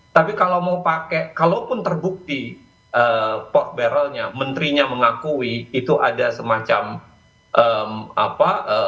tapi kalau mau pakai kalaupun terbukti port barrelnya menterinya mengakui itu ada semacam apa